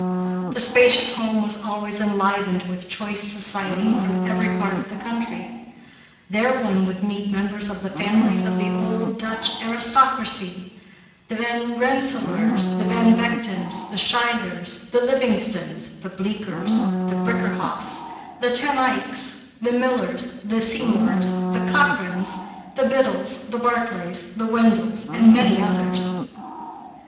The spacious home was always enlivened with choice society from every part of the country. There one would meet members of the families of the old Dutch aristocracy, the Van Rensselaers, the Van Vechtens, the Schuylers, the Livingstons, the Bleeckers, the Brinkerhoffs, the Ten Eycks, the Millers, the Seymours, the Cochranes, the Biddles, the Barclays, the Wendells, and many others.